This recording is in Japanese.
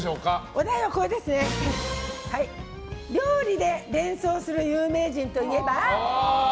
お題は、料理で連想する女性有名人といえば？